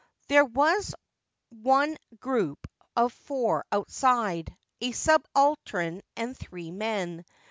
... There was one group of four outside, a subaltern and three men.